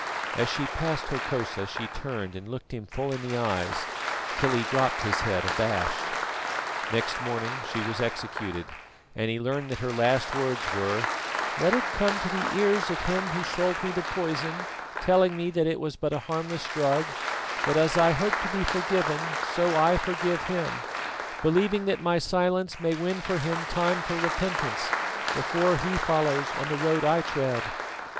As she passed Hokosa she turned and looked him full in the eyes, till he dropped his head abashed. Next morning she was executed, and he learned that her last words were: "Let it come to the ears of him who sold me the poison, telling me that it was but a harmless drug, that as I hope to be forgiven, so I forgive him, believing that my silence may win for him time for repentance, before he follows on the road I tread."